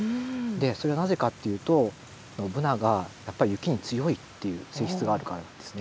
それはなぜかっていうとブナがやっぱり雪に強いっていう性質があるからなんですね。